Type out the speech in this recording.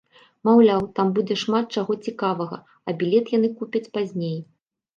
Маўляў, там будзе шмат чаго цікавага, а білет яны купяць пазней.